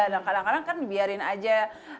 dan kadang kadang kan dibiarin aja